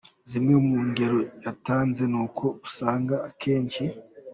Zimwe mu ngero yatanze ni uko usanga akenshi.